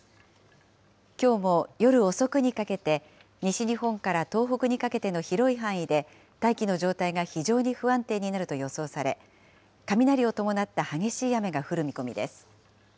きょうも夜遅くにかけて、西日本から東北にかけての広い範囲で、大気の状態が非常に不安定になると予想され、雷を伴った激しい雨が降る見込みです。